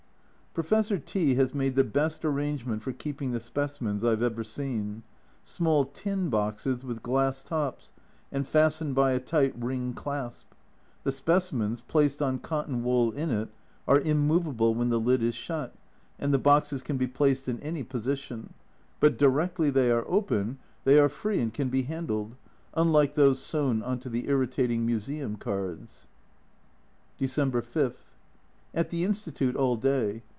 Professor T has made the best arrangement for keeping the specimens I have ever seen small tin boxes, with glass tops, and fastened by a tight ring clasp. The specimens, placed on cotton wool in it, are immovable when the lid is shut, and the boxes can be placed in any position, but directly they are open they 244 A Journal from Japan are free, and can be handled, unlike those sewn on to the irritating museum cards. December 5. At the Institute all day.